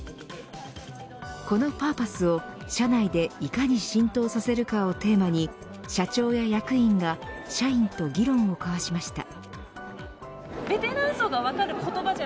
このパーパスを社内でいかに浸透させるかをテーマに社長や役員が社員と議論を交わしました。